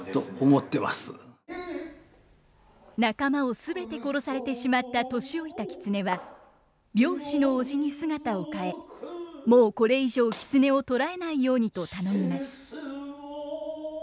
仲間を全て殺されてしまった年老いた狐は猟師のおじに姿を変えもうこれ以上狐を捕らえないようにと頼みます。